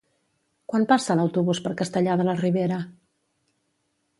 Quan passa l'autobús per Castellar de la Ribera?